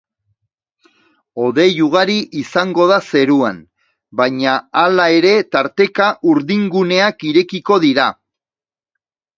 Hodei ugari izango da zeruan, baina hala ere tarteka urdinguneak irekiko dira.